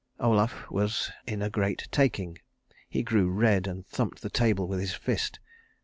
Olaf was in a great taking. He grew red and thumped the table with his fist.